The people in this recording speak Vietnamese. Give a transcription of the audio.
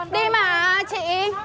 đi mà chị